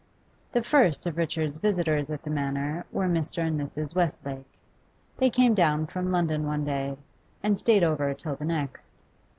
The first of Richard's visitors at the Manor were Mr. and Mrs. Westlake. They came down from London one day, and stayed over till the next.